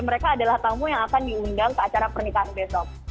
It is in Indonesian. mereka adalah tamu yang akan diundang ke acara pernikahan besok